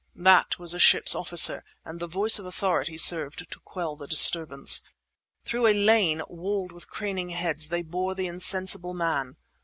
That was a ship's officer; and the voice of authority served to quell the disturbance. Through a lane walled with craning heads they bore the insensible man.